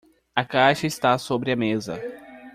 A caixa está sobre a mesa.